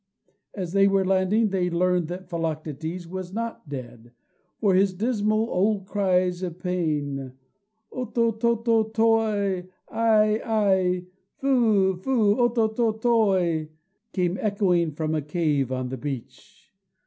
As they were landing they learned that Philoctetes was not dead, for his dismal old cries of pain, ototototoi, ai, ai; pheu, pheu; ototototoi, came echoing from a cave on the beach.